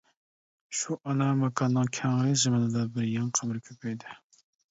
شۇ ئانا ماكاننىڭ كەڭرى زېمىنىدا بىر يېڭى قەبرە كۆپەيدى.